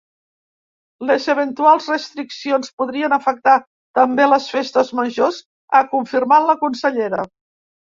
Les eventuals restriccions podrien afectar també les festes majors, ha confirmat la consellera.